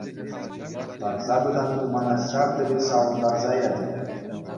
Тарса пытанни мана ҫав тери савӑнтарса ячӗ.